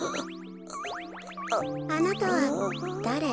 あなたはだれ？